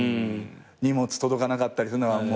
荷物届かなかったりする。